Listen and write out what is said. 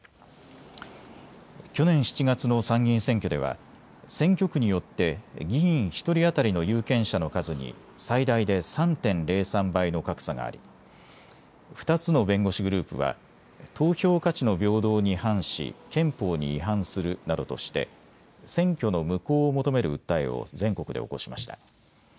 去年７月の参議院選挙では選挙区によって議員１人当たりの有権者の数に最大で３．０３倍の格差があり２つの弁護士グループは投票価値の平等に反し憲法に違反するなどとして選挙の無効を求める訴えを全国で起こしました。